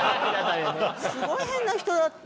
すごい変な人だった。